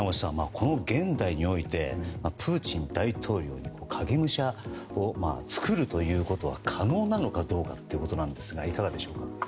この現代においてプーチン大統領の影武者を作るということは可能なのか、どうかですがいかがですか？